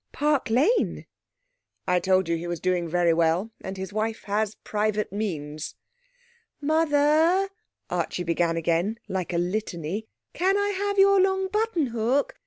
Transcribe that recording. Park Lane?' 'I told you he was doing very well, and his wife has private means.' 'Mother,' Archie began again, like a litany, 'can I have your long buttonhook?